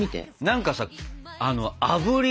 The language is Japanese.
何かさあぶり